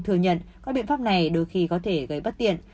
thừa nhận các biện pháp này đôi khi có thể gây bất tiện